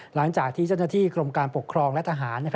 หลังจากที่เจ้าหน้าที่กรมการปกครองและทหาร